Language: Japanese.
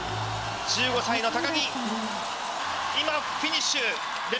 １５歳の高木、今、フィニッシュ。。